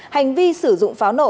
hành vi sử dụng pháo nổ